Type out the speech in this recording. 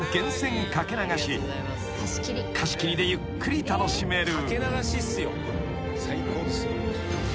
［貸し切りでゆっくり楽しめる］